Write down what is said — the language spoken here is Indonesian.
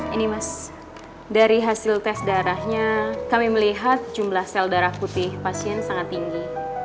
ini mas dari hasil tes darahnya kami melihat jumlah sel darah putih pasien sangat tinggi